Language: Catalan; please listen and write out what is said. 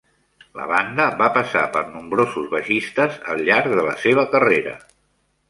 La banda va passar per nombrosos baixistes al llarg de la seva carrera.